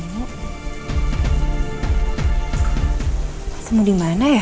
kuput barangku jadi blogger